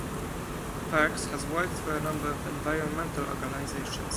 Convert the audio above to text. Perks has worked for a number of environmental organizations.